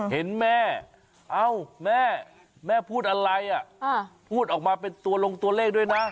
เห็นแม่เอ้าแม่แม่พูดอะไรพูดออกมาเป็นตัวลงตัวเลขด้วยนะ